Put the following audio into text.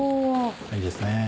いいですね。